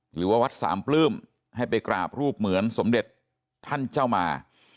หรือว่าวัดสามปลื้มให้ไปกราบรูปเหมือนสมเด็จท่านเจ้ามา